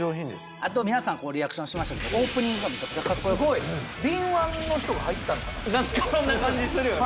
あと皆さんリアクションしましたけどすごい敏腕の人が入ったのかななんかそんな感じするよね